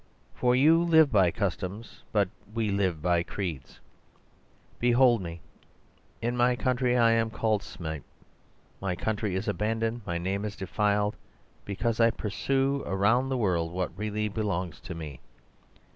For you live by customs, but we live by creeds. Behold me! In my country I am called Smip. My country is abandoned, my name is defiled, because I pursue around the world what really belongs to me.